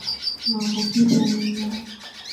Maambukizi ya minyoo